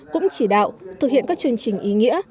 cũng chỉ đạo thực hiện các chương trình ý nghĩa